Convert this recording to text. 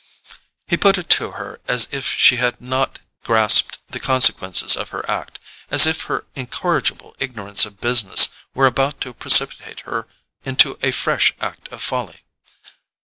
He put it to her as if she had not grasped the consequences of her act; as if her incorrigible ignorance of business were about to precipitate her into a fresh act of folly.